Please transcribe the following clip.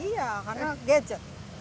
iya karena gadget